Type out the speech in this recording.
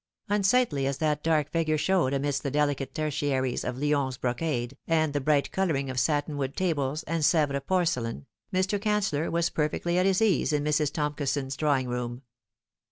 Unsightly as that dark figure showed amidst the delicate tertiaries of Lyons brocade and the bright colouring of satin wood tables and Sevres porcelain, Mr. Canceller was perfectly at his ease in Mrs. Tomkison's drawing room.